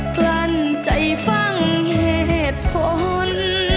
กลั้นใจฟังเหตุผล